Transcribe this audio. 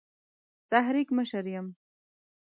تحریک مشر یم.